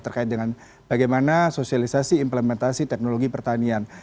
terkait dengan bagaimana sosialisasi implementasi teknologi pertanian